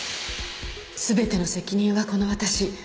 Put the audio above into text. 全ての責任はこの私。